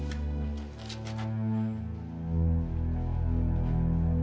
kita masuk ya